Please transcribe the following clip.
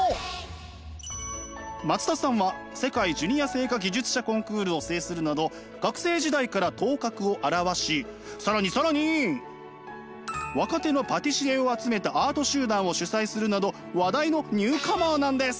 松田さんは世界ジュニア製菓技術者コンクールを制するなど学生時代から頭角を現し更に更に若手のパティシエを集めたアート集団を主催するなど話題のニューカマーなんです。